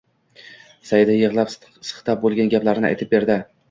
Saida yig`lab-siqtab bo`lgan gaplarni aytib berdi